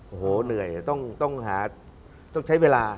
โอ้โหเหนื่อยต้องหาต้องใช้เวลา